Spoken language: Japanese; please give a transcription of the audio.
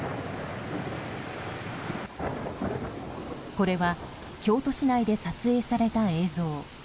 これは京都市内で撮影された映像。